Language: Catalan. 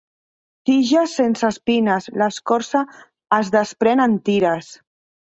Tiges sense espines, l'escorça es desprèn en tires.